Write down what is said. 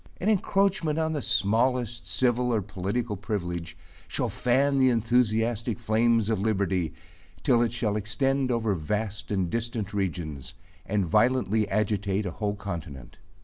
An encroachment on the smallest civil or political privilege, shall fan the enthusiastic flames of liberty, till it shall extend over vast and distant regions, and violently agitate a whole continent.